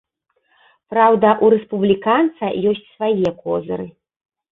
Праўда, у рэспубліканца ёсць свае козыры.